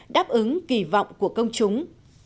đáp ứng kỳ vọng của công chúng